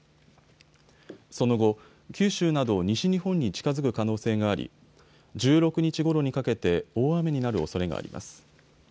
その後、九州など西日本に近づく可能性があり１６日ごろにかけて大雨になるおそれがあります。